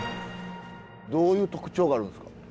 どういう特徴があるんですか？